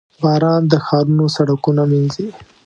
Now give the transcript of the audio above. • باران د ښارونو سړکونه مینځي.